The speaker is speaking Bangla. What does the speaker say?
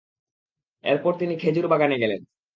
তারপর তিনি খেজুর বাগানে গেলেন।